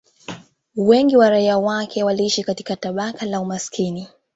Wengi wa raia wake waliishi katika tabaka la umaskini